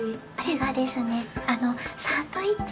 サンドイッチ？